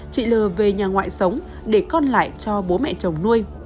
chị l về nhà ngoại sống để con lại cho bố mẹ chồng nuôi